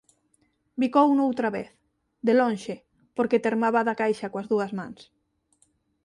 Bicouno outra vez, de lonxe porque termaba da caixa coas dúas mans.